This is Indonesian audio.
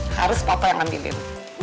harus papa yang ambilin